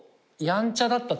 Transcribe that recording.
やんちゃだった？